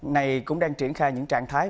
này cũng đang triển khai những trạng thái